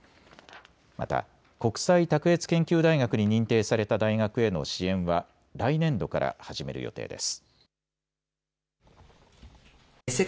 また国際卓越研究大学に認定された大学への支援は来年度から始める予定です。